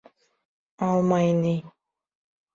— Алмай ни!